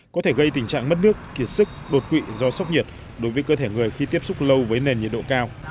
có thể gây tình trạng mất nước kiệt sức đột quỵ do sốc nhiệt đối với cơ thể người khi tiếp xúc lâu với nền nhiệt độ cao